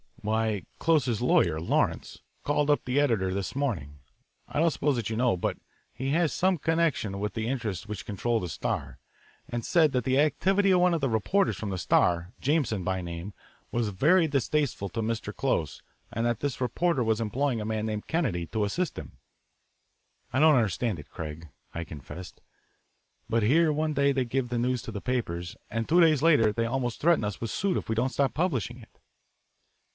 "Why, Close's lawyer, Lawrence, called up the editor this morning I don't suppose that you know, but he has some connection with the interests which control the Star and said that the activity of one of the reporters from the Star, Jameson by name, was very distasteful to Mr. Close and that this reporter was employing a man named Kennedy to assist him. "I don't understand it, Craig;" I confessed, "but here one day they give the news to the papers, and two days later they almost threaten us with suit if we don't stop publishing it."